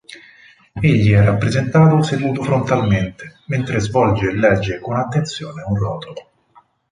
Egli è rappresentato seduto frontalmente, mentre svolge e legge con attenzione un rotolo.